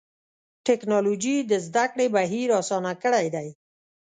ټکنالوجي د زدهکړې بهیر آسانه کړی دی.